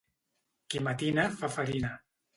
Qui matina fa farina.